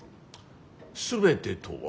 全てとは？